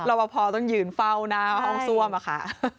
พอต้องยืนเฝ้าหน้าห้องซ่วมอะค่ะ